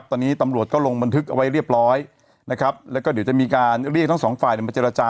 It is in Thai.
ตอนนี้ตำรวจก็ลงบันทึกเอาไว้เรียบร้อยนะครับแล้วก็เดี๋ยวจะมีการเรียกทั้งสองฝ่ายมาเจรจา